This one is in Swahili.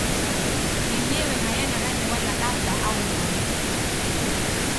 Yenyewe hayana rangi wala ladha au harufu.